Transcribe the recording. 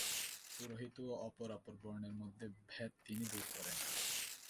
পুরোহিত ও অপরাপর বর্ণের মধ্যে ভেদ তিনি দূর করেন।